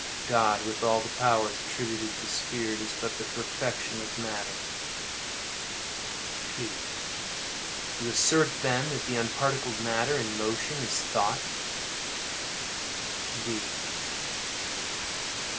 God, with all the powers attributed to spirit, is but the perfection of matter. P. You assert, then, that the unparticled matter, in motion, is thought?